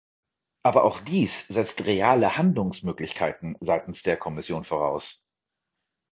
Aber auch dies setzt reale Handlungsmöglichkeiten seitens der Kommission voraus.